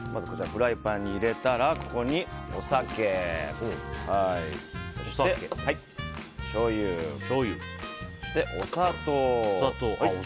フライパンに入れたらここにお酒、そしてしょうゆそしてお砂糖。